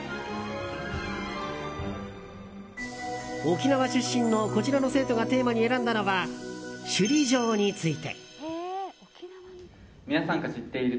沖縄出身のこちらの生徒がテーマに選んだのは首里城について。